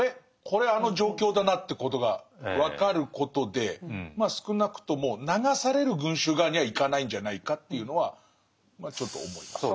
これあの状況だなってことが分かることでまあ少なくとも流される群衆側には行かないんじゃないかっていうのはまあちょっと思います。